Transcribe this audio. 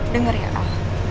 dengar ya raul